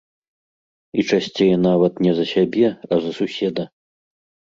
І часцей нават не за сябе, а за суседа.